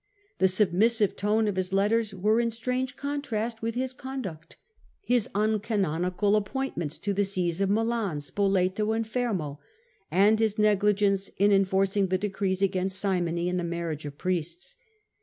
The submissive tone of his letters was in strange contrast with his conduct, his uncanonical appointments to the sees of Milan, Spoleto, and Fermo,^ and his negligence in enforcing the decrees against simony and the marriage of priests.